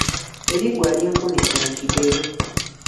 Eriggwa linfumise mu kigere.